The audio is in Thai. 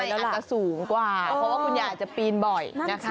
แล้วมันจะสูงกว่าเพราะว่าคุณยายจะปีนบ่อยนะคะ